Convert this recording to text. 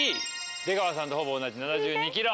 出川さんとほぼ同じ７２ｋｇ。